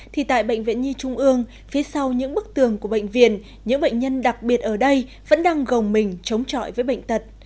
thì tại bệnh viện nhi trung ương phía sau những bức tường của bệnh viện những bệnh nhân đặc biệt ở đây vẫn đang gồng mình chống chọi với bệnh tật